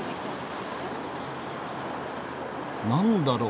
何だろう？